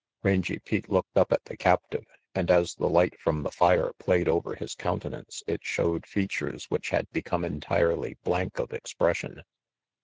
Rangy Pete looked up at the captive, and as the light from the fire played over his countenance it showed features which had become entirely blank of expression.